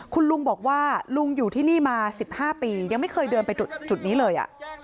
คุณลุงบอกว่าลุงอยู่ที่นี่มา๑๕ปียังไม่เคยเดินไปจุดนี้เลย